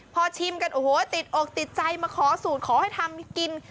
พอชิมกันโอ้โหติดอกติดใจมาขอสูตรขอให้ทำกิน